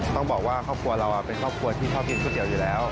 ต้องบอกว่าครอบครัวเราเป็นครอบครัวที่ชอบกินก๋วยเตี๋ยวอยู่แล้ว